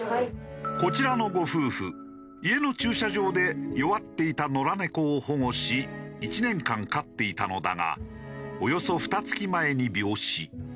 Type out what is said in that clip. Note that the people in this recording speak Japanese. こちらのご夫婦家の駐車場で弱っていた野良猫を保護し１年間飼っていたのだがおよそふた月前に病死。